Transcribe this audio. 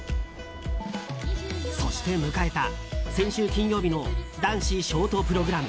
そして迎えた先週金曜日の男子ショートプログラム。